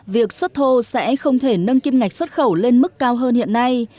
việc xuất thô sẽ không thể nâng kim ngạch xuất khẩu lên mức cao hơn hiện nay